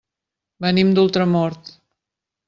Venim d'Ultramort.